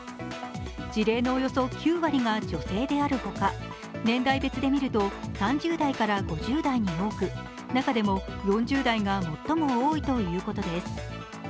事例のおよそ９割が女性であるほか年代別でみると３０代から５０代に多く中でも４０代が最も多いということです。